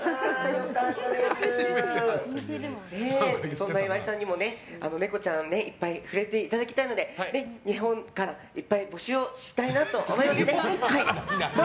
そんな岩井さんにもネコちゃんにいっぱい触れていただきたいので日本からいっぱい募集をしたいと思います。